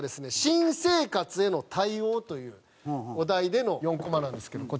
「新生活への対応」というお題での４コマなんですけどこちら。